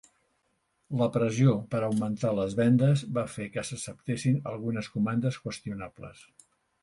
La pressió per augmentar les vendes va fer que s'acceptessin algunes comandes qüestionables.